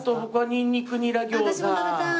にんにくニラ餃子。